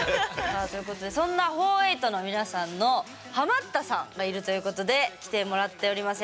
さあということでそんなフォーエイト４８の皆さんのハマったさんがいるということで来てもらっております。